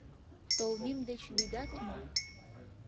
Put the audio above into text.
— Толмем деч лӱдат мо?